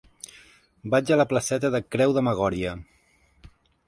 Vaig a la placeta de Creu de Magòria.